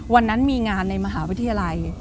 วันนั้นมีงานในมหาวิทยาลัย